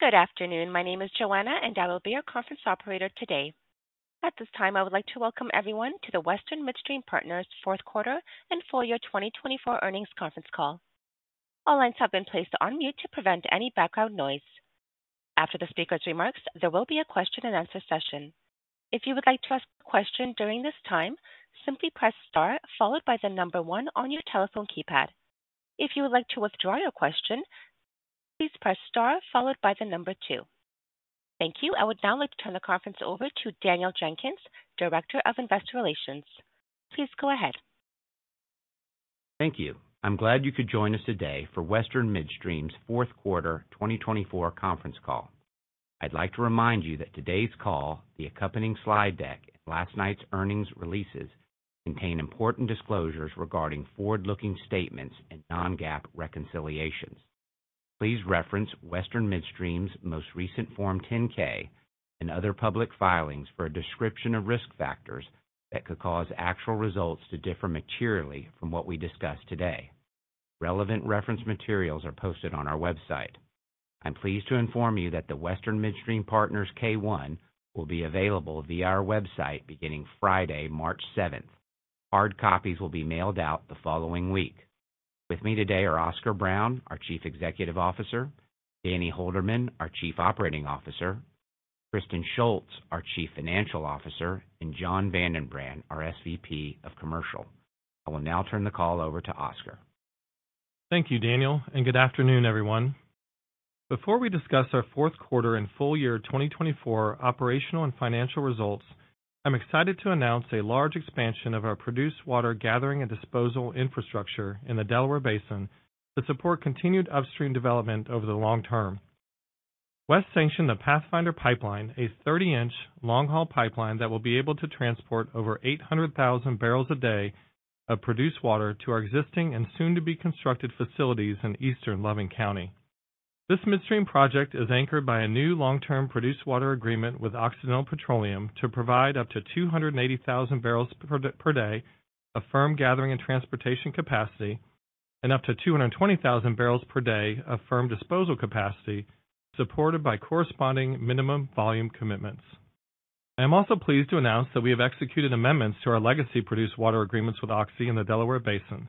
Good afternoon. My name is Joanna, and I will be your conference operator today. At this time, I would like to welcome everyone to the Western Midstream Partners fourth quarter and full year 2024 earnings conference call. All lines have been placed on mute to prevent any background noise. After the speaker's remarks, there will be a question-and-answer session. If you would like to ask a question during this time, simply press star, followed by the number one on your telephone keypad. If you would like to withdraw your question, please press star, followed by the number two. Thank you. I would now like to turn the conference over to Daniel Jenkins, Director of Investor Relations. Please go ahead. Thank you. I'm glad you could join us today for Western Midstream's fourth quarter 2024 conference call. I'd like to remind you that today's call, the accompanying slide deck, and last night's earnings releases contain important disclosures regarding forward-looking statements and non-GAAP reconciliations. Please reference Western Midstream's most recent Form 10-K and other public filings for a description of risk factors that could cause actual results to differ materially from what we discuss today. Relevant reference materials are posted on our website. I'm pleased to inform you that the Western Midstream Partners K-1 will be available via our website beginning Friday, March 7th. Hard copies will be mailed out the following week. With me today are Oscar Brown, our Chief Executive Officer, Danny Holderman, our Chief Operating Officer, Kristen Shults, our Chief Financial Officer, and Jon VandenBrand, our SVP of Commercial. I will now turn the call over to Oscar. Thank you, Daniel, and good afternoon, everyone. Before we discuss our fourth quarter and full year 2024 operational and financial results, I'm excited to announce a large expansion of our produced water gathering and disposal infrastructure in the Delaware Basin to support continued upstream development over the long term. West sanctioned the Pathfinder Pipeline, a 30-inch long-haul pipeline that will be able to transport over 800,000 barrels a day of produced water to our existing and soon-to-be constructed facilities in Eastern Loving County. This midstream project is anchored by a new long-term produced water agreement with Occidental Petroleum to provide up to 280,000 barrels per day of firm gathering and transportation capacity and up to 220,000 barrels per day of firm disposal capacity, supported by corresponding minimum volume commitments. I am also pleased to announce that we have executed amendments to our legacy produced water agreements with Oxy in the Delaware Basin.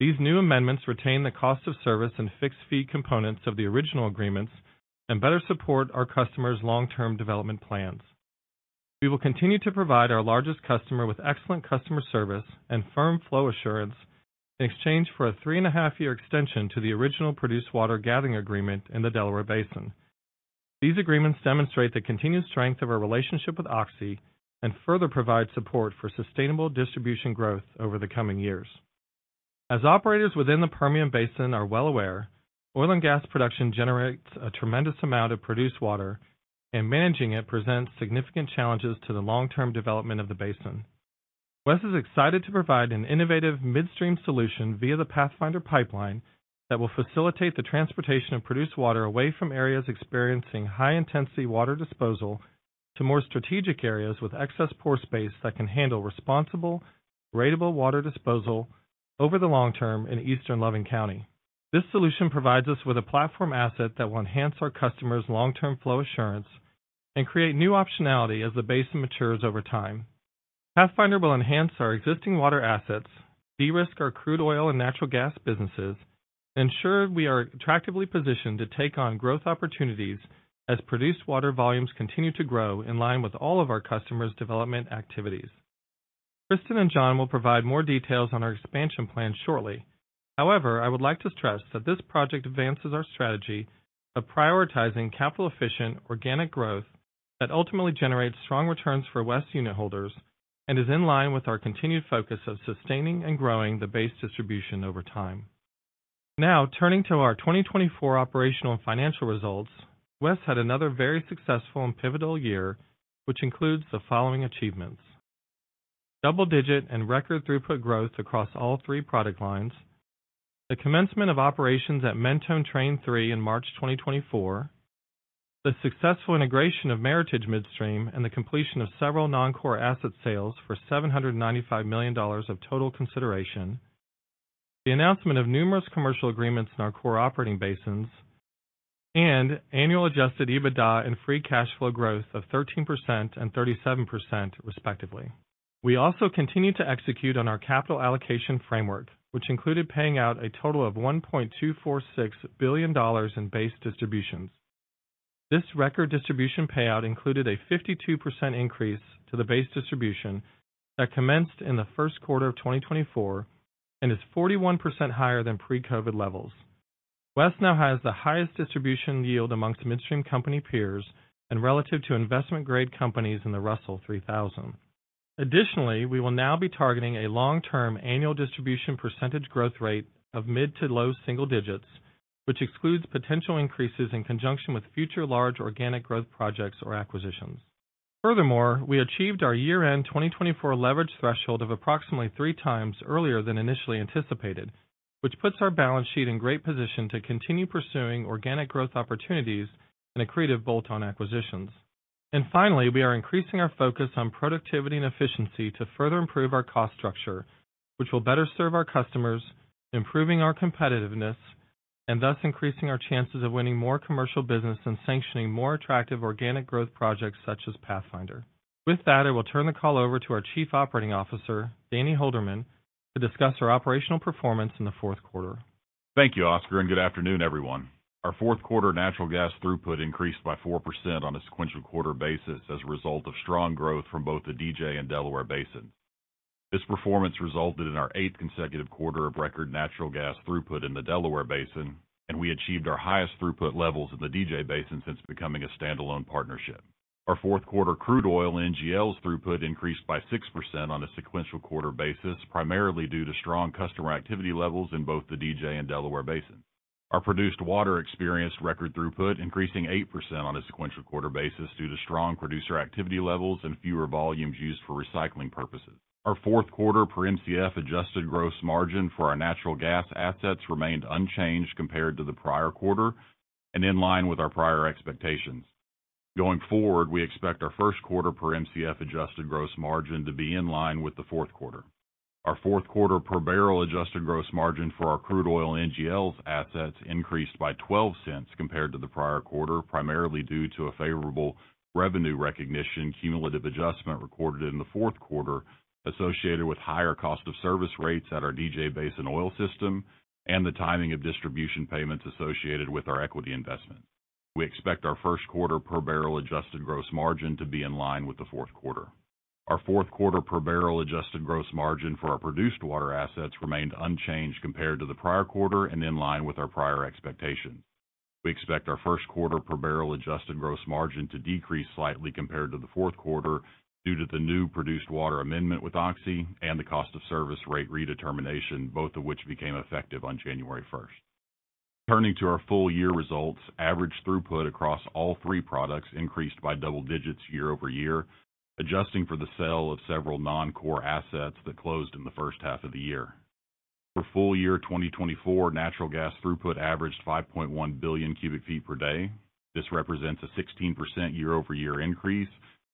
These new amendments retain the cost of service and fixed fee components of the original agreements and better support our customers' long-term development plans. We will continue to provide our largest customer with excellent customer service and firm flow assurance in exchange for a three-and-a-half-year extension to the original produced water gathering agreement in the Delaware Basin. These agreements demonstrate the continued strength of our relationship with Oxy and further provide support for sustainable distribution growth over the coming years. As operators within the Permian Basin are well aware, oil and gas production generates a tremendous amount of produced water, and managing it presents significant challenges to the long-term development of the basin. West is excited to provide an innovative midstream solution via the Pathfinder Pipeline that will facilitate the transportation of produced water away from areas experiencing high-intensity water disposal to more strategic areas with excess pore space that can handle responsible, ratable water disposal over the long term in Eastern Loving County. This solution provides us with a platform asset that will enhance our customers' long-term flow assurance and create new optionality as the basin matures over time. Pathfinder will enhance our existing water assets, de-risk our crude oil and natural gas businesses, and ensure we are attractively positioned to take on growth opportunities as produced water volumes continue to grow in line with all of our customers' development activities. Kristen and Jon will provide more details on our expansion plan shortly. However, I would like to stress that this project advances our strategy of prioritizing capital-efficient organic growth that ultimately generates strong returns for West unitholders and is in line with our continued focus of sustaining and growing the Base Distribution over time. Now, turning to our 2024 operational and financial results, West had another very successful and pivotal year, which includes the following achievements: double-digit and record throughput growth across all three product lines. The commencement of operations at Mentone Train 3 in March 2024. The successful integration of Meritage Midstream and the completion of several non-core asset sales for $795 million of total consideration. The announcement of numerous commercial agreements in our core operating basins. And annual adjusted EBITDA and free cash flow growth of 13% and 37%, respectively. We also continued to execute on our capital allocation framework, which included paying out a total of $1.246 billion in base distributions. This record distribution payout included a 52% increase to the base distribution that commenced in the first quarter of 2024 and is 41% higher than pre-COVID levels. West now has the highest distribution yield amongst midstream company peers and relative to investment-grade companies in the Russell 3000. Additionally, we will now be targeting a long-term annual distribution percentage growth rate of mid to low single digits, which excludes potential increases in conjunction with future large organic growth projects or acquisitions. Furthermore, we achieved our year-end 2024 leverage threshold of approximately three times earlier than initially anticipated, which puts our balance sheet in great position to continue pursuing organic growth opportunities and accretive bolt-on acquisitions. Finally, we are increasing our focus on productivity and efficiency to further improve our cost structure, which will better serve our customers, improving our competitiveness, and thus increasing our chances of winning more commercial business and sanctioning more attractive organic growth projects such as Pathfinder. With that, I will turn the call over to our Chief Operating Officer, Danny Holderman, to discuss our operational performance in the fourth quarter. Thank you, Oscar, and good afternoon, everyone. Our fourth quarter natural gas throughput increased by 4% on a sequential quarter basis as a result of strong growth from both the DJ and Delaware Basin. This performance resulted in our eighth consecutive quarter of record natural gas throughput in the Delaware Basin, and we achieved our highest throughput levels in the DJ Basin since becoming a standalone partnership. Our fourth quarter crude oil and NGLs throughput increased by 6% on a sequential quarter basis, primarily due to strong customer activity levels in both the DJ and Delaware Basin. Our produced water experienced record throughput, increasing 8% on a sequential quarter basis due to strong producer activity levels and fewer volumes used for recycling purposes. Our fourth quarter per MCF adjusted gross margin for our natural gas assets remained unchanged compared to the prior quarter and in line with our prior expectations. Going forward, we expect our first quarter per MCF adjusted gross margin to be in line with the fourth quarter. Our fourth quarter per barrel adjusted gross margin for our crude oil and NGLs assets increased by $0.12 compared to the prior quarter, primarily due to a favorable revenue recognition cumulative adjustment recorded in the fourth quarter associated with higher cost of service rates at our DJ Basin oil system and the timing of distribution payments associated with our equity investment. We expect our first quarter per barrel adjusted gross margin to be in line with the fourth quarter. Our fourth quarter per barrel adjusted gross margin for our produced water assets remained unchanged compared to the prior quarter and in line with our prior expectations. We expect our first quarter per barrel adjusted gross margin to decrease slightly compared to the fourth quarter due to the new produced water amendment with Oxy and the cost of service rate redetermination, both of which became effective on January 1st. Turning to our full year results, average throughput across all three products increased by double digits year over year, adjusting for the sale of several non-core assets that closed in the first half of the year. For full year 2024, natural gas throughput averaged 5.1 billion cubic feet per day. This represents a 16% year-over-year increase,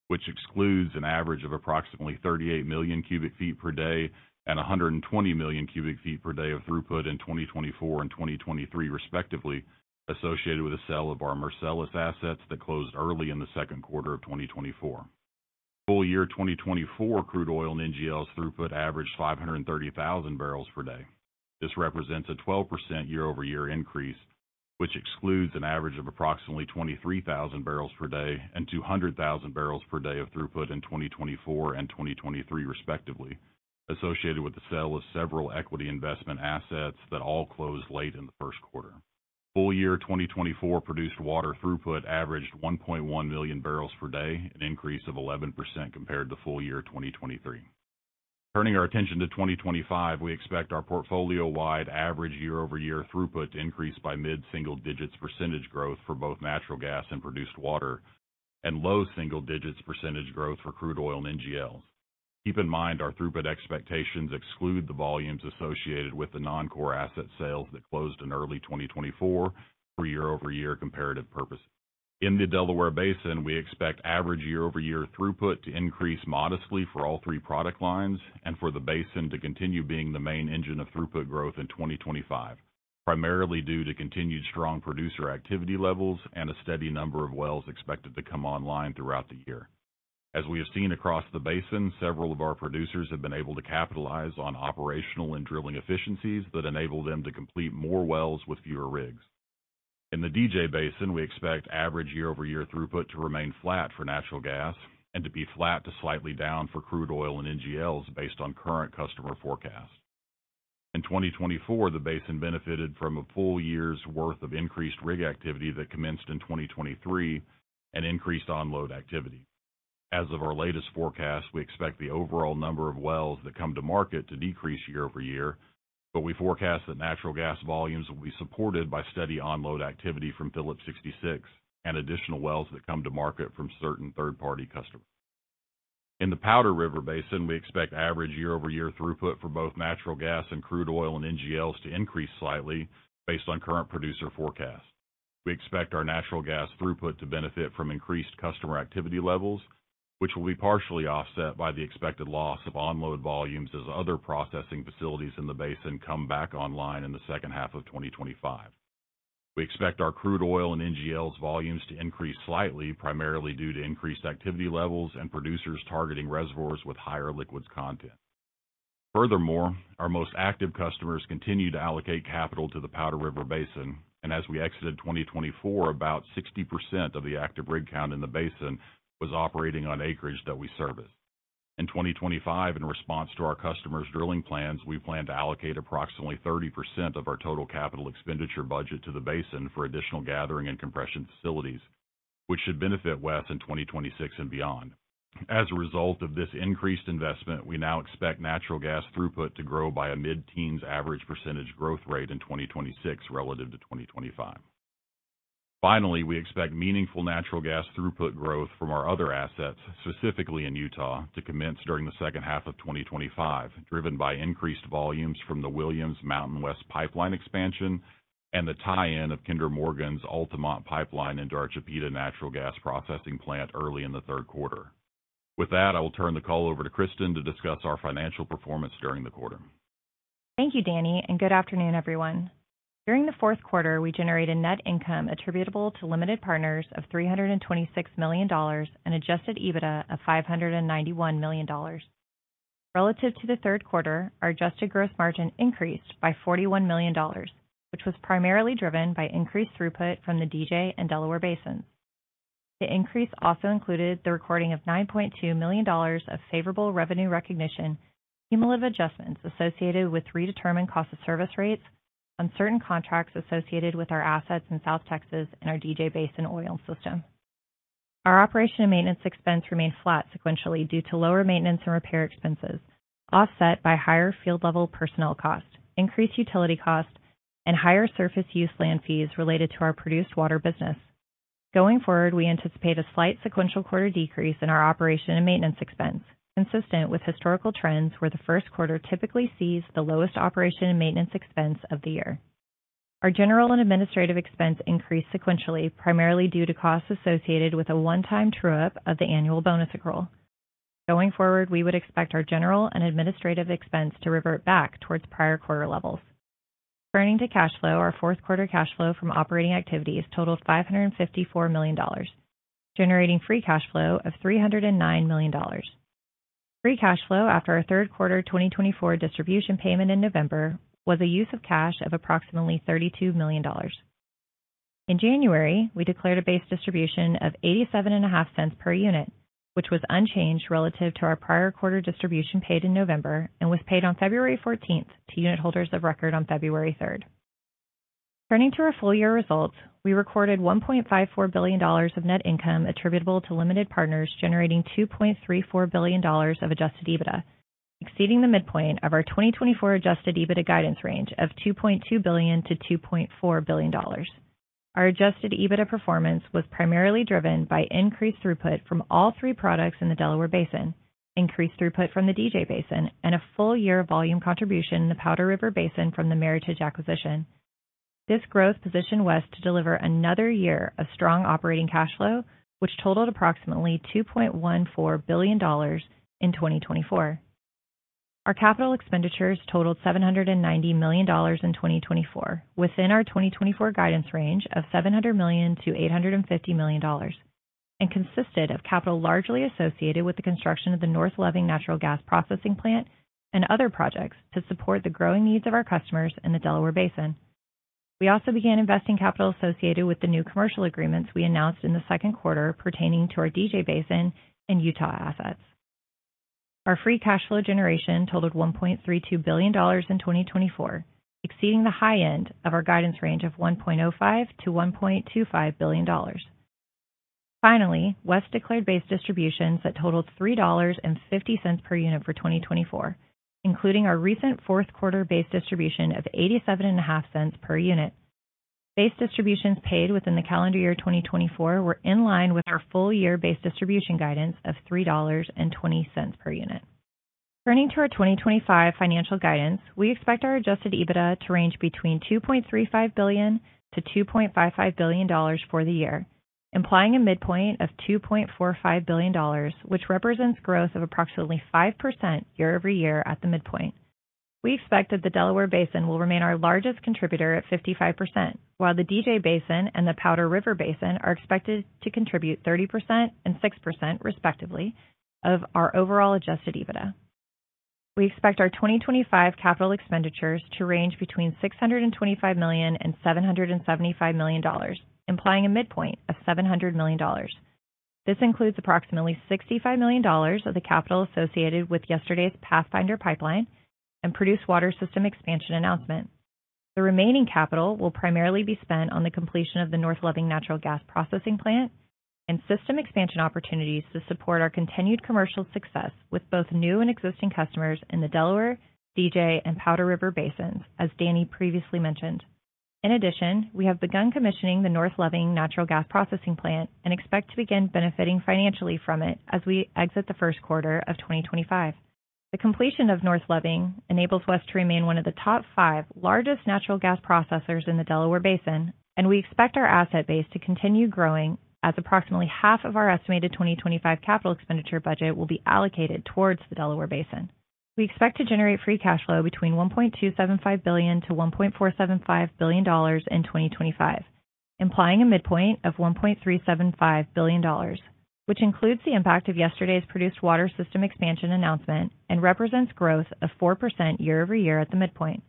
which excludes an average of approximately 38 million cubic feet per day and 120 million cubic feet per day of throughput in 2024 and 2023, respectively, associated with the sale of our Marcellus assets that closed early in the second quarter of 2024. For full year 2024, crude oil and NGLs throughput averaged 530,000 barrels per day. This represents a 12% year-over-year increase, which excludes an average of approximately 23,000 barrels per day and 200,000 barrels per day of throughput in 2024 and 2023, respectively, associated with the sale of several equity investment assets that all closed late in the first quarter. Full year 2024 produced water throughput averaged 1.1 million barrels per day, an increase of 11% compared to full year 2023. Turning our attention to 2025, we expect our portfolio-wide average year-over-year throughput to increase by mid-single digits % growth for both natural gas and produced water, and low single digits % growth for crude oil and NGLs. Keep in mind our throughput expectations exclude the volumes associated with the non-core asset sales that closed in early 2024 for year-over-year comparative purposes. In the Delaware Basin, we expect average year-over-year throughput to increase modestly for all three product lines, and for the basin to continue being the main engine of throughput growth in 2025, primarily due to continued strong producer activity levels and a steady number of wells expected to come online throughout the year. As we have seen across the basin, several of our producers have been able to capitalize on operational and drilling efficiencies that enable them to complete more wells with fewer rigs. In the DJ Basin, we expect average year-over-year throughput to remain flat for natural gas and to be flat to slightly down for crude oil and NGLs based on current customer forecast. In 2024, the basin benefited from a full year's worth of increased rig activity that commenced in 2023 and increased on-load activity. As of our latest forecast, we expect the overall number of wells that come to market to decrease year-over-year, but we forecast that natural gas volumes will be supported by steady on-load activity from Phillips 66 and additional wells that come to market from certain third-party customers. In the Powder River Basin, we expect average year-over-year throughput for both natural gas and crude oil and NGLs to increase slightly based on current producer forecast. We expect our natural gas throughput to benefit from increased customer activity levels, which will be partially offset by the expected loss of onload volumes as other processing facilities in the basin come back online in the second half of 2025. We expect our crude oil and NGLs volumes to increase slightly, primarily due to increased activity levels and producers targeting reservoirs with higher liquids content. Furthermore, our most active customers continue to allocate capital to the Powder River Basin, and as we exited 2024, about 60% of the active rig count in the basin was operating on acreage that we serviced. In 2025, in response to our customers' drilling plans, we plan to allocate approximately 30% of our total capital expenditure budget to the basin for additional gathering and compression facilities, which should benefit West in 2026 and beyond. As a result of this increased investment, we now expect natural gas throughput to grow by a mid-teens average percentage growth rate in 2026 relative to 2025. Finally, we expect meaningful natural gas throughput growth from our other assets, specifically in Utah, to commence during the second half of 2025, driven by increased volumes from the MountainWest Pipeline expansion and the tie-in of Kinder Morgan's Altamont Pipeline and Chipeta Natural Gas Processing Plant early in the third quarter. With that, I will turn the call over to Kristen to discuss our financial performance during the quarter. Thank you, Danny, and good afternoon, everyone. During the fourth quarter, we generated net income attributable to limited partners of $326 million and adjusted EBITDA of $591 million. Relative to the third quarter, our adjusted gross margin increased by $41 million, which was primarily driven by increased throughput from the DJ and Delaware Basins. The increase also included the recording of $9.2 million of favorable revenue recognition cumulative adjustments associated with redetermined cost of service rates on certain contracts associated with our assets in South Texas and our DJ Basin oil system. Our operation and maintenance expense remained flat sequentially due to lower maintenance and repair expenses offset by higher field-level personnel cost, increased utility cost, and higher surface use land fees related to our produced water business. Going forward, we anticipate a slight sequential quarter decrease in our operations and maintenance expense, consistent with historical trends where the first quarter typically sees the lowest operations and maintenance expense of the year. Our General and Administrative Expense increased sequentially, primarily due to costs associated with a one-time true-up of the annual bonus accrual. Going forward, we would expect our General and Administrative Expense to revert back towards prior quarter levels. Turning to cash flow, our fourth quarter cash flow from operating activities totaled $554 million, generating free cash flow of $309 million. Free Cash Flow after our third quarter 2024 distribution payment in November was a use of cash of approximately $32 million. In January, we declared a base distribution of $0.875 per unit, which was unchanged relative to our prior quarter distribution paid in November and was paid on February 14th to unitholders of record on February 3rd. Turning to our full year results, we recorded $1.54 billion of net income attributable to limited partners generating $2.34 billion of adjusted EBITDA, exceeding the midpoint of our 2024 adjusted EBITDA guidance range of $2.2 billion-$2.4 billion. Our adjusted EBITDA performance was primarily driven by increased throughput from all three products in the Delaware Basin, increased throughput from the DJ Basin, and a full year volume contribution in the Powder River Basin from the Meritage acquisition. This growth positioned West to deliver another year of strong operating cash flow, which totaled approximately $2.14 billion in 2024. Our capital expenditures totaled $790 million in 2024, within our 2024 guidance range of $700 million-$850 million, and consisted of capital largely associated with the construction of the North Loving natural gas processing plant and other projects to support the growing needs of our customers in the Delaware Basin. We also began investing capital associated with the new commercial agreements we announced in the second quarter pertaining to our DJ Basin and Utah assets. Our free cash flow generation totaled $1.32 billion in 2024, exceeding the high end of our guidance range of $1.05-$1.25 billion. Finally, West declared base distributions that totaled $3.50 per unit for 2024, including our recent fourth quarter base distribution of $0.875 per unit. Base distributions paid within the calendar year 2024 were in line with our full year base distribution guidance of $3.20 per unit. Turning to our 2025 financial guidance, we expect our adjusted EBITDA to range between $2.35-$2.55 billion for the year, implying a midpoint of $2.45 billion, which represents growth of approximately 5% year-over-year at the midpoint. We expect that the Delaware Basin will remain our largest contributor at 55%, while the DJ Basin and the Powder River Basin are expected to contribute 30% and 6% respectively of our overall adjusted EBITDA. We expect our 2025 capital expenditures to range between $625-$775 million, implying a midpoint of $700 million. This includes approximately $65 million of the capital associated with yesterday's Pathfinder Pipeline and Produced Water System Expansion announcement. The remaining capital will primarily be spent on the completion of the North Loving natural gas processing plant and system expansion opportunities to support our continued commercial success with both new and existing customers in the Delaware, DJ, and Powder River Basins, as Danny previously mentioned. In addition, we have begun commissioning the North Loving natural gas processing plant and expect to begin benefiting financially from it as we exit the first quarter of 2025. The completion of North Loving enables West to remain one of the top five largest natural gas processors in the Delaware Basin, and we expect our asset base to continue growing as approximately half of our estimated 2025 capital expenditure budget will be allocated towards the Delaware Basin. We expect to generate free cash flow between $1.275 billion-$1.475 billion in 2025, implying a midpoint of $1.375 billion, which includes the impact of yesterday's Produced Water System Expansion announcement and represents growth of 4% year-over-year at the midpoint.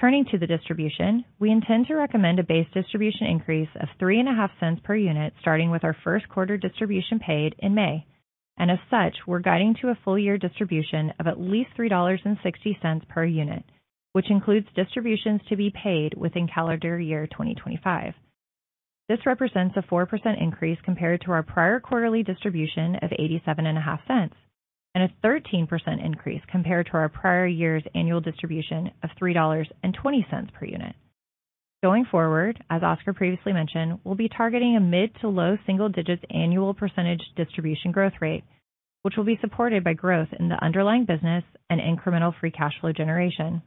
Turning to the distribution, we intend to recommend a Base Distribution increase of $0.035 per unit starting with our first quarter distribution paid in May, and as such, we're guiding to a full year distribution of at least $3.60 per unit, which includes distributions to be paid within calendar year 2025. This represents a 4% increase compared to our prior quarterly distribution of $0.875 and a 13% increase compared to our prior year's annual distribution of $3.20 per unit. Going forward, as Oscar previously mentioned, we'll be targeting a mid to low single digits annual percentage distribution growth rate, which will be supported by growth in the underlying business and incremental free cash flow generation.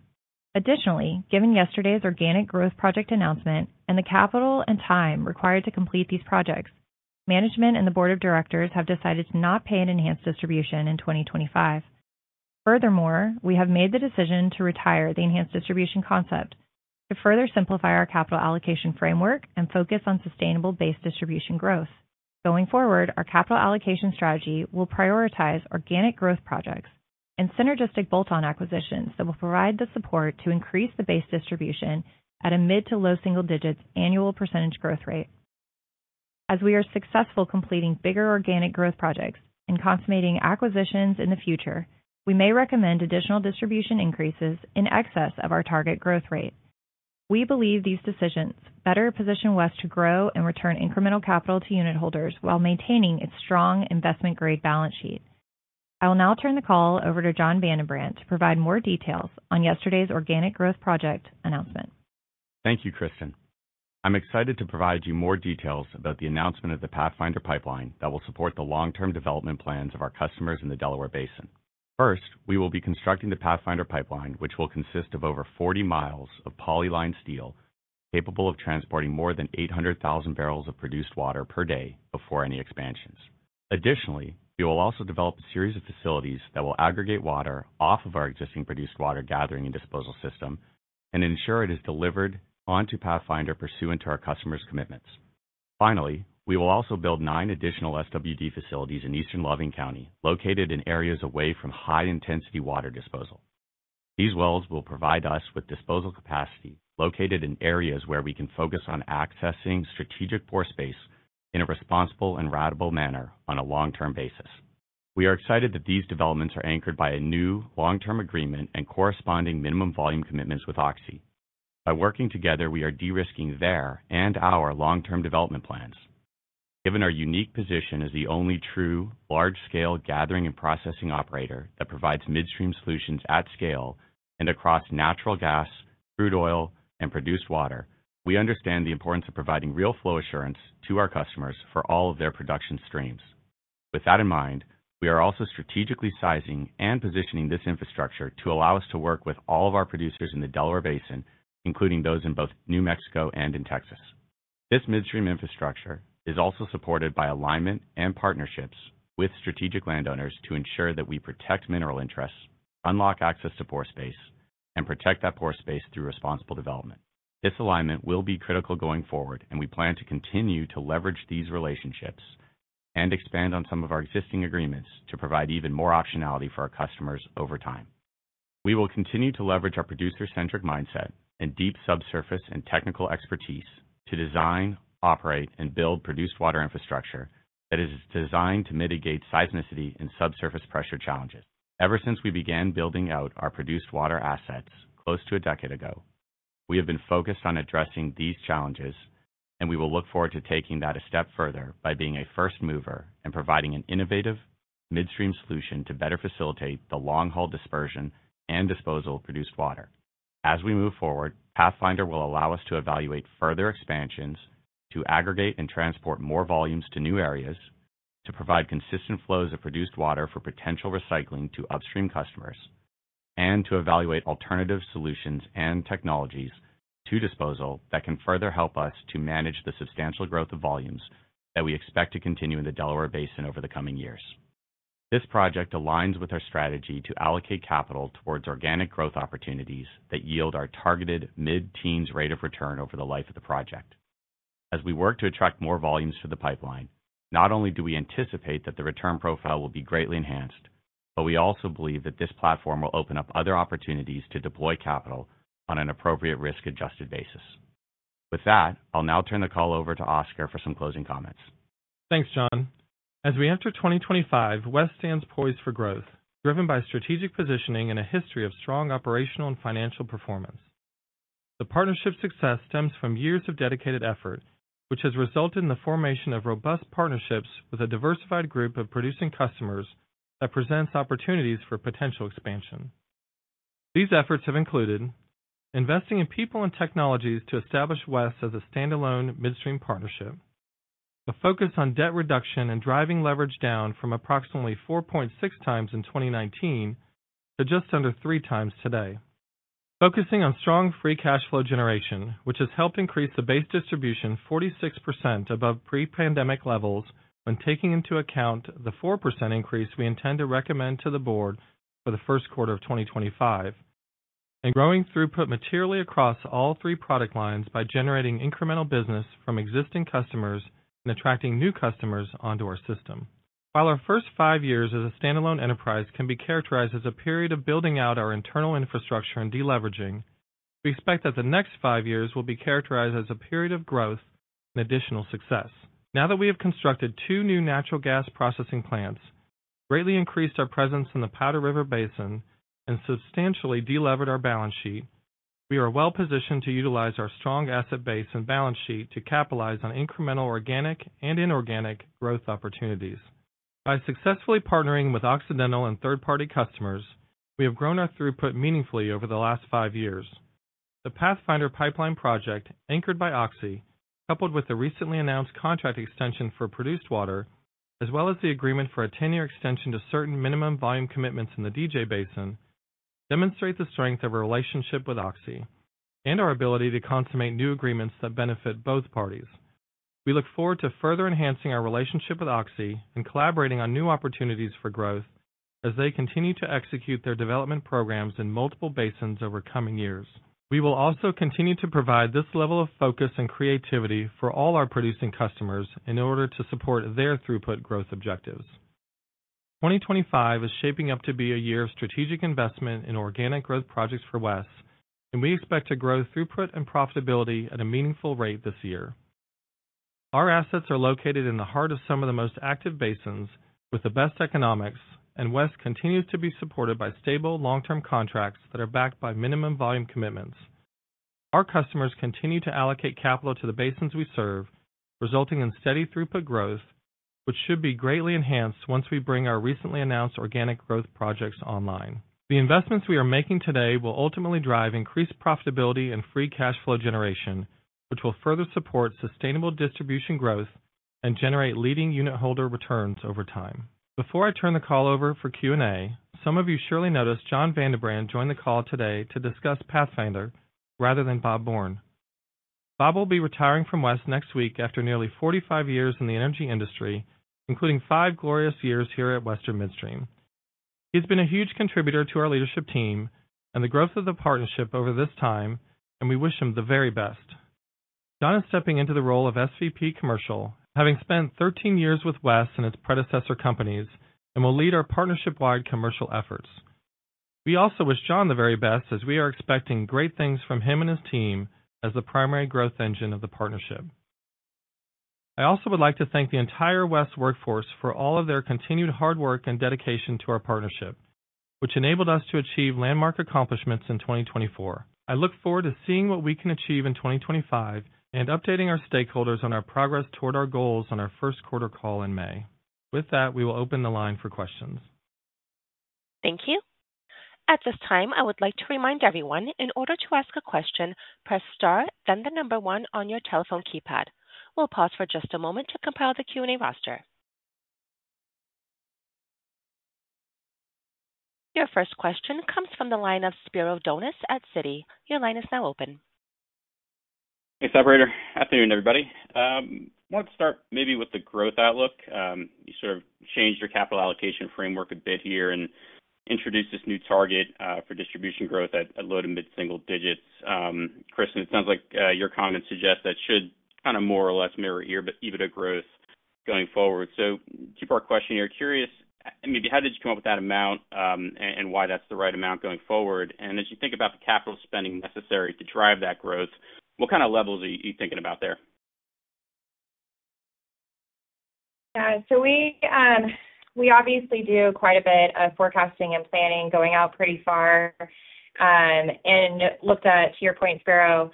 Additionally, given yesterday's organic growth project announcement and the capital and time required to complete these projects, management and the board of directors have decided to not pay an enhanced distribution in 2025. Furthermore, we have made the decision to retire the enhanced distribution concept to further simplify our capital allocation framework and focus on sustainable base distribution growth. Going forward, our capital allocation strategy will prioritize organic growth projects and synergistic bolt-on acquisitions that will provide the support to increase the base distribution at a mid to low single digits annual percentage growth rate. As we are successful completing bigger organic growth projects and consummating acquisitions in the future, we may recommend additional distribution increases in excess of our target growth rate. We believe these decisions better position West to grow and return incremental capital to unitholders while maintaining its strong investment-grade balance sheet. I will now turn the call over to Jon VandenBrand to provide more details on yesterday's organic growth project announcement. Thank you, Kristen. I'm excited to provide you more details about the announcement of the Pathfinder Pipeline that will support the long-term development plans of our customers in the Delaware Basin. First, we will be constructing the Pathfinder Pipeline, which will consist of over 40 miles of poly-lined steel capable of transporting more than 800,000 barrels of produced water per day before any expansions. Additionally, we will also develop a series of facilities that will aggregate water off of our existing produced water gathering and disposal system and ensure it is delivered onto Pathfinder pursuant to our customers' commitments. Finally, we will also build nine additional SWD facilities in Eastern Loving County, located in areas away from high-intensity water disposal. These wells will provide us with disposal capacity located in areas where we can focus on accessing strategic pore space in a responsible and ratable manner on a long-term basis. We are excited that these developments are anchored by a new long-term agreement and corresponding minimum volume commitments with Oxy. By working together, we are de-risking their and our long-term development plans. Given our unique position as the only true large-scale gathering and processing operator that provides midstream solutions at scale and across natural gas, crude oil, and produced water, we understand the importance of providing real flow assurance to our customers for all of their production streams. With that in mind, we are also strategically sizing and positioning this infrastructure to allow us to work with all of our producers in the Delaware Basin, including those in both New Mexico and in Texas. This midstream infrastructure is also supported by alignment and partnerships with strategic landowners to ensure that we protect mineral interests, unlock access to pore space, and protect that pore space through responsible development. This alignment will be critical going forward, and we plan to continue to leverage these relationships and expand on some of our existing agreements to provide even more optionality for our customers over time. We will continue to leverage our producer-centric mindset and deep subsurface and technical expertise to design, operate, and build produced water infrastructure that is designed to mitigate seismicity and subsurface pressure challenges. Ever since we began building out our produced water assets close to a decade ago, we have been focused on addressing these challenges, and we will look forward to taking that a step further by being a first mover and providing an innovative midstream solution to better facilitate the long-haul dispersion and disposal of produced water. As we move forward, Pathfinder will allow us to evaluate further expansions to aggregate and transport more volumes to new areas, to provide consistent flows of produced water for potential recycling to upstream customers, and to evaluate alternative solutions and technologies to disposal that can further help us to manage the substantial growth of volumes that we expect to continue in the Delaware Basin over the coming years. This project aligns with our strategy to allocate capital towards organic growth opportunities that yield our targeted mid-teens rate of return over the life of the project. As we work to attract more volumes to the pipeline, not only do we anticipate that the return profile will be greatly enhanced, but we also believe that this platform will open up other opportunities to deploy capital on an appropriate risk-adjusted basis. With that, I'll now turn the call over to Oscar for some closing comments. Thanks, Jon. As we enter 2025, West stands poised for growth, driven by strategic positioning and a history of strong operational and financial performance. The partnership's success stems from years of dedicated effort, which has resulted in the formation of robust partnerships with a diversified group of producing customers that presents opportunities for potential expansion. These efforts have included investing in people and technologies to establish West as a standalone midstream partnership, a focus on debt reduction and driving leverage down from approximately 4.6 times in 2019 to just under three times today, focusing on strong free cash flow generation, which has helped increase the base distribution 46% above pre-pandemic levels when taking into account the 4% increase we intend to recommend to the board for the first quarter of 2025, and growing throughput materially across all three product lines by generating incremental business from existing customers and attracting new customers onto our system. While our first five years as a standalone enterprise can be characterized as a period of building out our internal infrastructure and deleveraging, we expect that the next five years will be characterized as a period of growth and additional success. Now that we have constructed two new natural gas processing plants, greatly increased our presence in the Powder River Basin, and substantially delevered our balance sheet, we are well positioned to utilize our strong asset base and balance sheet to capitalize on incremental organic and inorganic growth opportunities. By successfully partnering with Occidental and third-party customers, we have grown our throughput meaningfully over the last five years. The Pathfinder Pipeline project, anchored by Oxy, coupled with the recently announced contract extension for produced water, as well as the agreement for a 10-year extension to certain minimum volume commitments in the DJ Basin, demonstrate the strength of our relationship with Oxy and our ability to consummate new agreements that benefit both parties. We look forward to further enhancing our relationship with Oxy and collaborating on new opportunities for growth as they continue to execute their development programs in multiple basins over coming years. We will also continue to provide this level of focus and creativity for all our producing customers in order to support their throughput growth objectives. 2025 is shaping up to be a year of strategic investment in organic growth projects for West, and we expect to grow throughput and profitability at a meaningful rate this year. Our assets are located in the heart of some of the most active basins with the best economics, and West continues to be supported by stable long-term contracts that are backed by minimum volume commitments. Our customers continue to allocate capital to the basins we serve, resulting in steady throughput growth, which should be greatly enhanced once we bring our recently announced organic growth projects online. The investments we are making today will ultimately drive increased profitability and free cash flow generation, which will further support sustainable distribution growth and generate leading unit holder returns over time. Before I turn the call over for Q&A, some of you surely noticed Jon VandenBrand joined the call today to discuss Pathfinder rather than Bob Bourne. Bob will be retiring from West next week after nearly 45 years in the energy industry, including five glorious years here at Western Midstream. He's been a huge contributor to our leadership team and the growth of the partnership over this time, and we wish him the very best. Jon is stepping into the role of SVP Commercial, having spent 13 years with West and its predecessor companies, and will lead our partnership-wide commercial efforts. We also wish Jon the very best as we are expecting great things from him and his team as the primary growth engine of the partnership. I also would like to thank the entire West workforce for all of their continued hard work and dedication to our partnership, which enabled us to achieve landmark accomplishments in 2024. I look forward to seeing what we can achieve in 2025 and updating our stakeholders on our progress toward our goals on our first quarter call in May. With that, we will open the line for questions. Thank you. At this time, I would like to remind everyone in order to ask a question, press Star, then the number one on your telephone keypad. We'll pause for just a moment to compile the Q&A roster. Your first question comes from the line of Spiro Dounis at Citi. Your line is now open. Hey, Spiro. Afternoon, everybody. I want to start maybe with the growth outlook. You sort of changed your capital allocation framework a bit here and introduced this new target for distribution growth at low to mid-single digits. Kristen, it sounds like your comments suggest that should kind of more or less mirror EBITDA growth going forward. So to your point, you're curious maybe how did you come up with that amount and why that's the right amount going forward? And as you think about the capital spending necessary to drive that growth, what kind of levels are you thinking about there? Yeah, so we obviously do quite a bit of forecasting and planning going out pretty far and looked at, to your point, Spiro,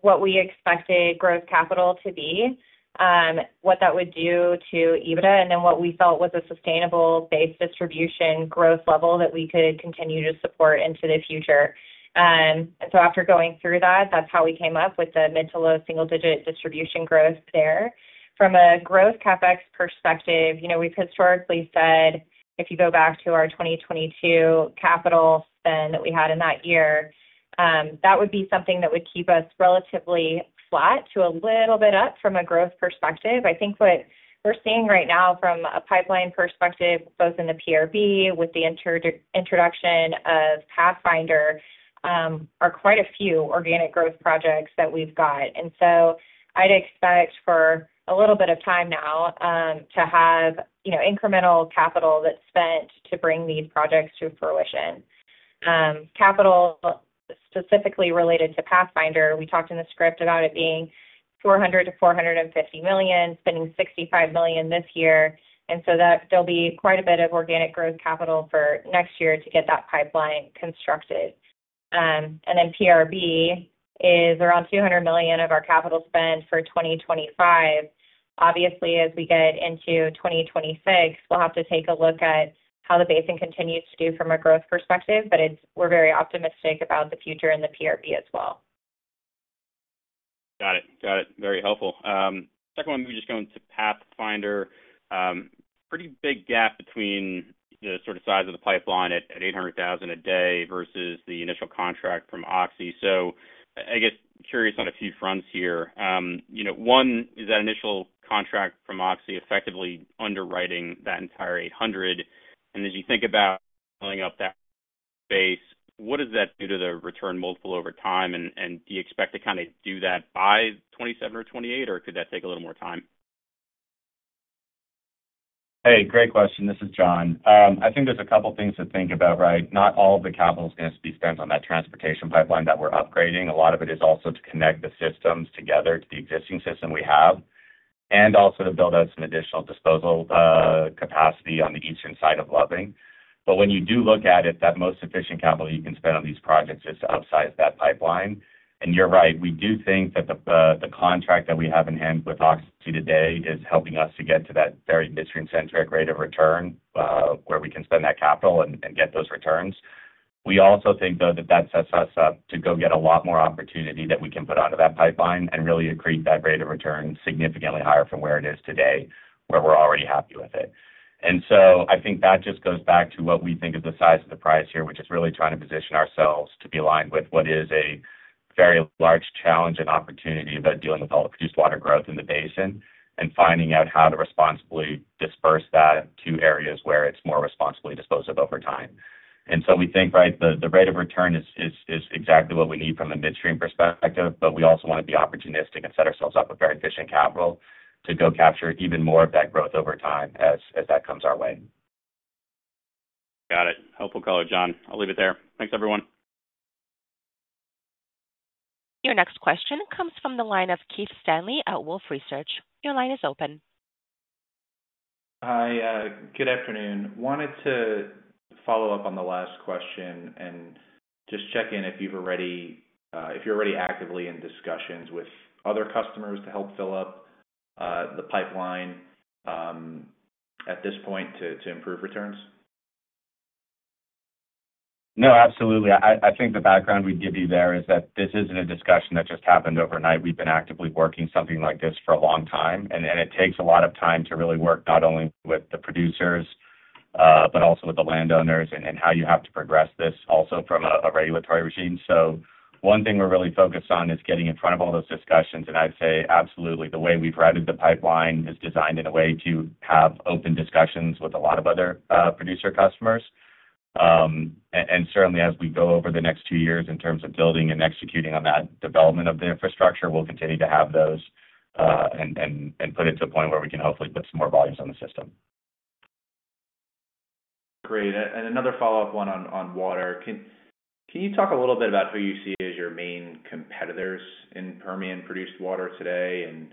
what we expected growth capital to be, what that would do to EBITDA, and then what we felt was a sustainable base distribution growth level that we could continue to support into the future. So after going through that, that's how we came up with the mid- to low single-digit distribution growth there. From a growth CapEx perspective, we've historically said if you go back to our 2022 capital spend that we had in that year, that would be something that would keep us relatively flat to a little bit up from a growth perspective. I think what we're seeing right now from a pipeline perspective, both in the PRB with the introduction of Pathfinder, are quite a few organic growth projects that we've got. I'd expect for a little bit of time now to have incremental capital that's spent to bring these projects to fruition. Capital specifically related to Pathfinder, we talked in the script about it being $400-$450 million, spending $65 million this year. There'll be quite a bit of organic growth capital for next year to get that pipeline constructed. Then PRB is around $200 million of our capital spend for 2025. Obviously, as we get into 2026, we'll have to take a look at how the basin continues to do from a growth perspective, but we're very optimistic about the future and the PRB as well. Got it. Got it. Very helpful. Second one, we're just going to Pathfinder. Pretty big gap between the sort of size of the pipeline at 800,000 a day versus the initial contract from Oxy. So I guess curious on a few fronts here. One, is that initial contract from Oxy effectively underwriting that entire 800? And as you think about filling up that base, what does that do to the return multiple over time? And do you expect to kind of do that by 2027 or 2028, or could that take a little more time? Hey, great question. This is Jon. I think there's a couple of things to think about, right? Not all of the capital is going to be spent on that transportation pipeline that we're upgrading. A lot of it is also to connect the systems together to the existing system we have and also to build out some additional disposal capacity on the eastern side of Loving. But when you do look at it, that most efficient capital you can spend on these projects is to upsize that pipeline. And you're right. We do think that the contract that we have in hand with Oxy today is helping us to get to that very midstream-centric rate of return where we can spend that capital and get those returns. We also think, though, that that sets us up to go get a lot more opportunity that we can put onto that pipeline and really accrete that rate of return significantly higher from where it is today, where we're already happy with it. And so I think that just goes back to what we think is the size of the prize here, which is really trying to position ourselves to be aligned with what is a very large challenge and opportunity about dealing with all the produced water growth in the basin and finding out how to responsibly disperse that to areas where it's more responsibly disposable over time. And so we think, right, the rate of return is exactly what we need from a midstream perspective, but we also want to be opportunistic and set ourselves up with very efficient capital to go capture even more of that growth over time as that comes our way. Got it. Helpful color, Jon. I'll leave it there. Thanks, everyone. Your next question comes from the line of Keith Stanley at Wolfe Research. Your line is open. Hi. Good afternoon. Wanted to follow up on the last question and just check in if you're already actively in discussions with other customers to help fill up the pipeline at this point to improve returns. No, absolutely. I think the background we'd give you there is that this isn't a discussion that just happened overnight. We've been actively working something like this for a long time. And it takes a lot of time to really work not only with the producers, but also with the landowners and how you have to progress this also from a regulatory regime. So one thing we're really focused on is getting in front of all those discussions. And I'd say, absolutely, the way we've routed the pipeline is designed in a way to have open discussions with a lot of other producer customers. And certainly, as we go over the next two years in terms of building and executing on that development of the infrastructure, we'll continue to have those and put it to a point where we can hopefully put some more volumes on the system. Great. And another follow-up one on water. Can you talk a little bit about who you see as your main competitors in Permian produced water today and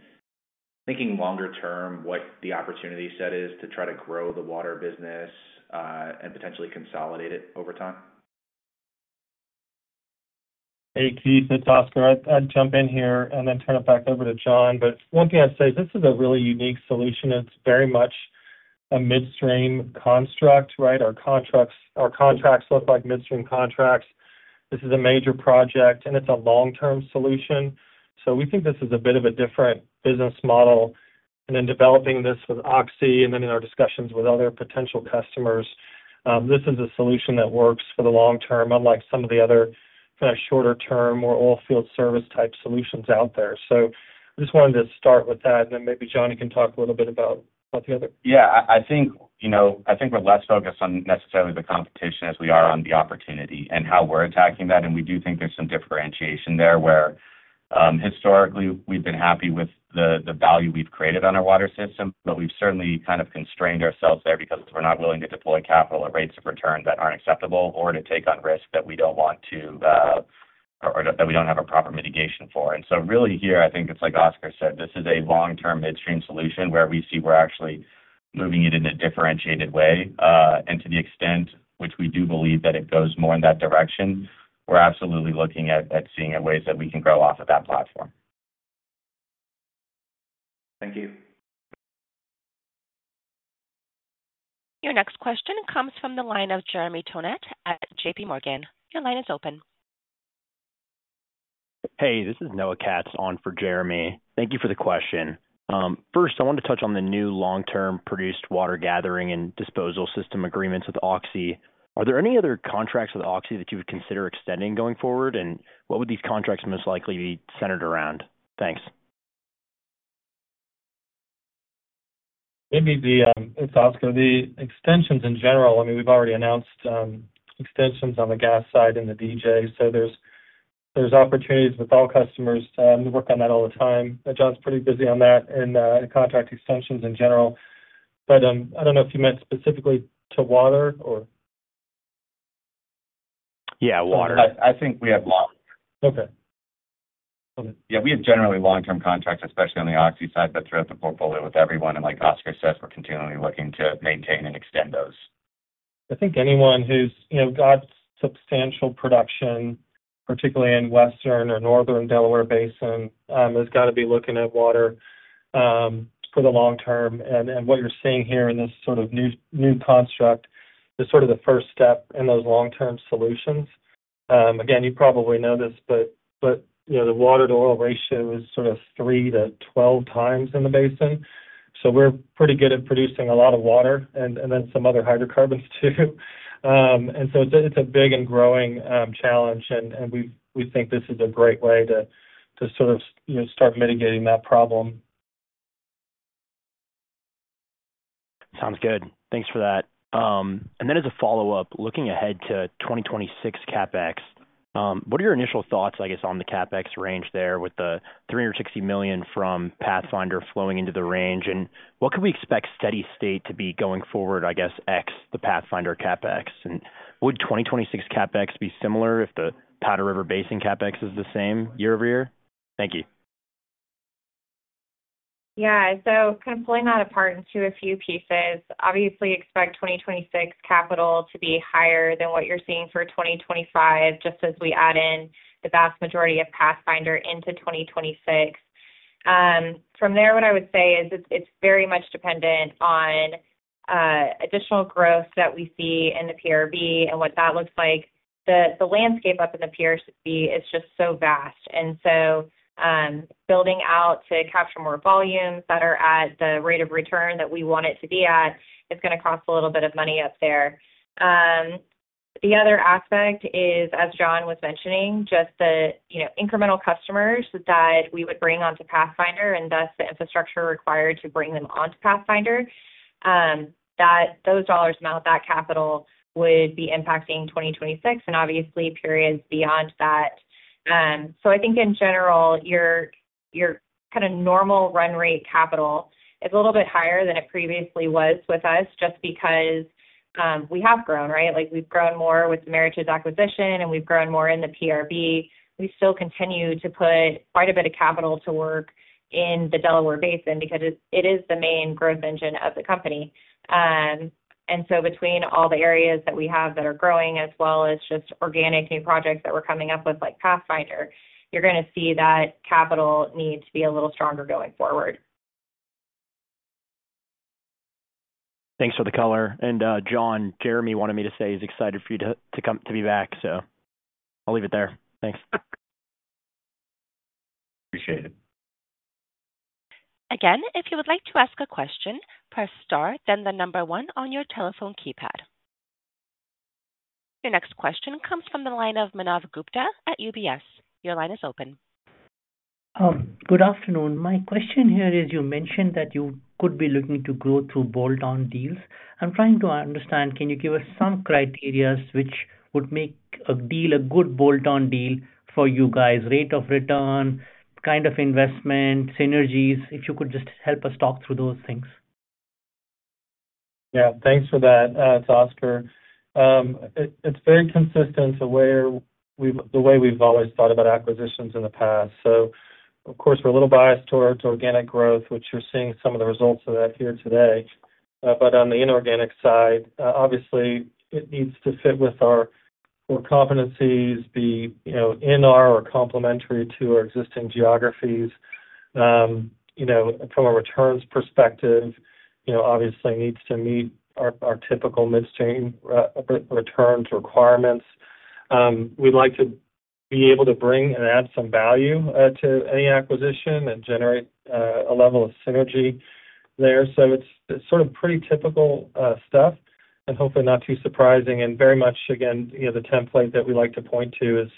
thinking longer term, what the opportunity set is to try to grow the water business and potentially consolidate it over time? Hey, Keith, it's Oscar. I'd jump in here and then turn it back over to Jon. But one thing I'd say is this is a really unique solution. It's very much a midstream construct, right? Our contracts look like midstream contracts. This is a major project, and it's a long-term solution. So we think this is a bit of a different business model. And then developing this with Oxy and then in our discussions with other potential customers, this is a solution that works for the long term, unlike some of the other kind of shorter-term or oil field service type solutions out there. So I just wanted to start with that, and then maybe Jon, you can talk a little bit about the other. Yeah. I think we're less focused on necessarily the competition as we are on the opportunity and how we're attacking that. And we do think there's some differentiation there where historically we've been happy with the value we've created on our water system, but we've certainly kind of constrained ourselves there because we're not willing to deploy capital at rates of return that aren't acceptable or to take on risk that we don't want to or that we don't have a proper mitigation for. And so really here, I think it's like Oscar said, this is a long-term midstream solution where we see we're actually moving it in a differentiated way. And to the extent which we do believe that it goes more in that direction, we're absolutely looking at seeing ways that we can grow off of that platform. Thank you. Your next question comes from the line of Jeremy Tonet at J.P. Morgan. Your line is open. Hey, this is Noah Katz on for Jeremy. Thank you for the question. First, I wanted to touch on the new long-term produced water gathering and disposal system agreements with Oxy. Are there any other contracts with Oxy that you would consider extending going forward? And what would these contracts most likely be centered around? Thanks. It's Oscar. The extensions in general, I mean, we've already announced extensions on the gas side and the DJ. So there's opportunities with all customers. We work on that all the time. Jon's pretty busy on that and contract extensions in general. But I don't know if you meant specifically to water or. Yeah, water. I think we have long. Okay. Yeah, we have generally long-term contracts, especially on the Oxy side, but throughout the portfolio with everyone. And like Oscar says, we're continually looking to maintain and extend those. I think anyone who's got substantial production, particularly in Western or Northern Delaware Basin, has got to be looking at water for the long term. And what you're seeing here in this sort of new construct is sort of the first step in those long-term solutions. Again, you probably know this, but the water-to-oil ratio is sort of three to 12 times in the basin. So we're pretty good at producing a lot of water and then some other hydrocarbons too. And so it's a big and growing challenge, and we think this is a great way to sort of start mitigating that problem. Sounds good. Thanks for that. And then as a follow-up, looking ahead to 2026 CapEx, what are your initial thoughts, I guess, on the CapEx range there with the $360 million from Pathfinder flowing into the range? And what could we expect steady state to be going forward, I guess, ex the Pathfinder CapEx? And would 2026 CapEx be similar if the Powder River Basin CapEx is the same year over year? Thank you. Yeah. So kind of pulling that apart into a few pieces. Obviously, expect 2026 capital to be higher than what you're seeing for 2025 just as we add in the vast majority of Pathfinder into 2026. From there, what I would say is it's very much dependent on additional growth that we see in the PRB and what that looks like. The landscape up in the PRB is just so vast. And so building out to capture more volumes that are at the rate of return that we want it to be at is going to cost a little bit of money up there. The other aspect is, as Jon was mentioning, just the incremental customers that we would bring onto Pathfinder and thus the infrastructure required to bring them onto Pathfinder, that those dollars amount, that capital would be impacting 2026 and obviously periods beyond that. So I think in general, your kind of normal run rate capital is a little bit higher than it previously was with us just because we have grown, right? We've grown more with the Meritage acquisition, and we've grown more in the PRB. We still continue to put quite a bit of capital to work in the Delaware Basin because it is the main growth engine of the company. And so between all the areas that we have that are growing as well as just organic new projects that we're coming up with like Pathfinder, you're going to see that capital need to be a little stronger going forward. Thanks for the color. And Jon, Jeremy wanted me to say he's excited for you to be back, so I'll leave it there. Thanks. Appreciate it. Again, if you would like to ask a question, press Star, then the number one on your telephone keypad. Your next question comes from the line of Manav Gupta at UBS. Your line is open. Good afternoon. My question here is you mentioned that you could be looking to grow through bolt-on deals. I'm trying to understand, can you give us some criteria which would make a deal a good bolt-on deal for you guys? Rate of return, kind of investment, synergies. If you could just help us talk through those things. Yeah. Thanks for that. It's Oscar. It's very consistent to where the way we've always thought about acquisitions in the past. So of course, we're a little biased towards organic growth, which you're seeing some of the results of that here today. But on the inorganic side, obviously, it needs to fit with our competencies, be in our or complementary to our existing geographies. From a returns perspective, obviously, it needs to meet our typical midstream returns requirements. We'd like to be able to bring and add some value to any acquisition and generate a level of synergy there. So it's sort of pretty typical stuff and hopefully not too surprising. And very much, again, the template that we like to point to is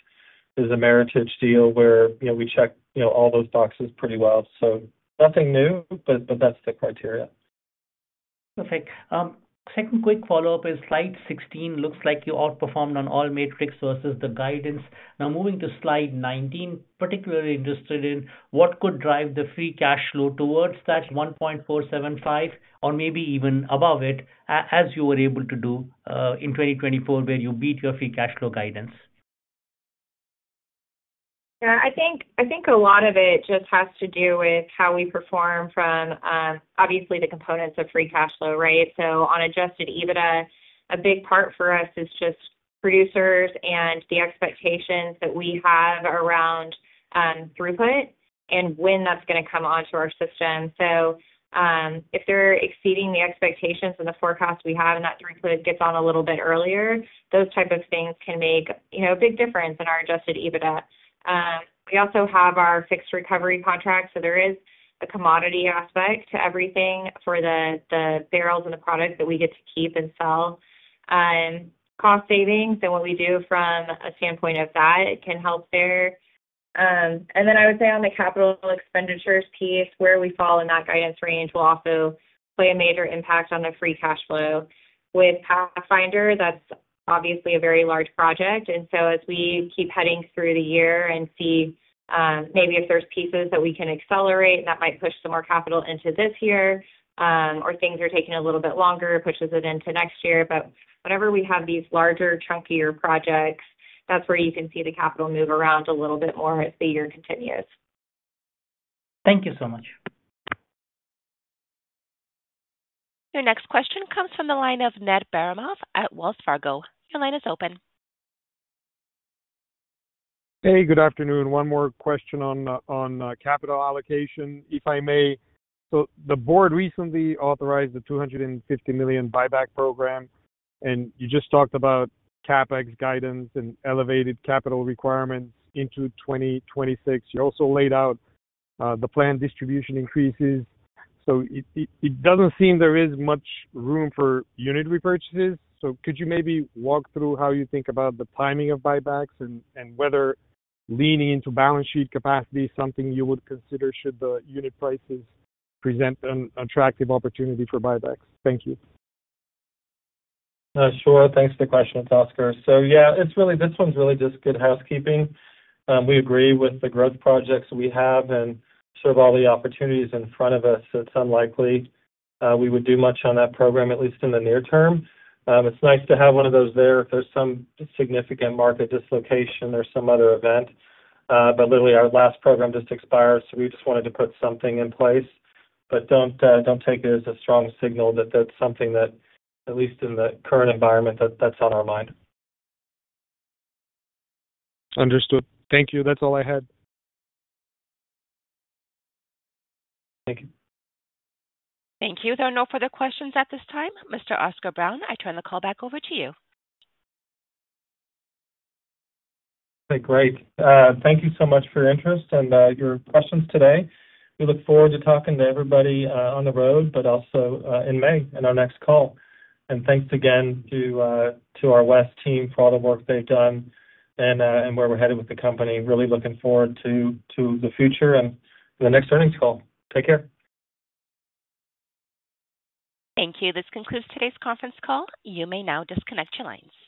a Meritage deal where we check all those boxes pretty well. So nothing new, but that's the criteria. Perfect. Second quick follow-up is slide 16. Looks like you outperformed on all metrics versus the guidance. Now moving to slide 19, particularly interested in what could drive the free cash flow towards that 1.475 or maybe even above it as you were able to do in 2024 where you beat your free cash flow guidance. Yeah. I think a lot of it just has to do with how we perform from obviously the components of free cash flow, right? So on adjusted EBITDA, a big part for us is just producers and the expectations that we have around throughput and when that's going to come onto our system. So if they're exceeding the expectations and the forecast we have and that throughput gets on a little bit earlier, those type of things can make a big difference in our adjusted EBITDA. We also have our fixed recovery contract. So there is a commodity aspect to everything for the barrels and the product that we get to keep and sell. Cost savings and what we do from a standpoint of that can help there. And then I would say on the capital expenditures piece, where we fall in that guidance range will also play a major impact on the free cash flow. With Pathfinder, that's obviously a very large project. And so as we keep heading through the year and see maybe if there's pieces that we can accelerate and that might push some more capital into this year or things are taking a little bit longer, it pushes it into next year. But whenever we have these larger, chunkier projects, that's where you can see the capital move around a little bit more as the year continues. Thank you so much. Your next question comes from the line of Ned Baramov at Wells Fargo. Your line is open. Hey, good afternoon. One more question on capital allocation, if I may. So the board recently authorized the $250 million buyback program, and you just talked about CapEx guidance and elevated capital requirements into 2026. You also laid out the planned distribution increases. So it doesn't seem there is much room for unit repurchases. So could you maybe walk through how you think about the timing of buybacks and whether leaning into balance sheet capacity is something you would consider should the unit prices present an attractive opportunity for buybacks? Thank you. Sure. Thanks for the question. It's Oscar. So yeah, this one's really just good housekeeping. We agree with the growth projects we have and see all the opportunities in front of us. It's unlikely we would do much on that program, at least in the near term. It's nice to have one of those there if there's some significant market dislocation or some other event. But literally, our last program just expired, so we just wanted to put something in place. But don't take it as a strong signal that that's something that, at least in the current environment, that's on our mind. Understood. Thank you. That's all I had. Thank you. Thank you. There are no further questions at this time. Mr. Oscar Brown, I turn the call back over to you. Okay. Great. Thank you so much for your interest and your questions today. We look forward to talking to everybody on the road, but also in May in our next call, and thanks again to our WES team for all the work they've done and where we're headed with the company. Really looking forward to the future and the next earnings call. Take care. Thank you. This concludes today's conference call. You may now disconnect your lines.